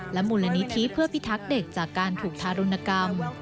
มูลนิธิเพื่อพิทักษ์เด็กจากการถูกทารุณกรรม